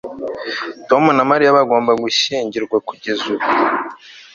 Tom na Mariya bagomba gushyingirwa kugeza ubu